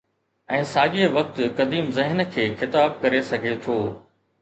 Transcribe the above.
۽ ساڳئي وقت قديم ذهن کي خطاب ڪري سگهي ٿو.